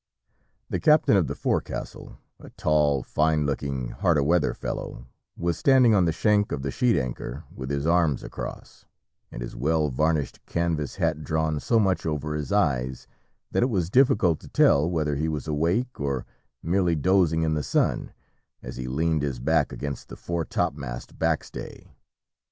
The captain of the forecastle, a tall, fine looking, hard a weather fellow, was standing on the shank of the sheet anchor with his arms across, and his well varnished canvass hat drawn so much over his eyes that it was difficult to tell whether he was awake or merely dozing in the sun, as he leaned his back against the fore topmast backstay.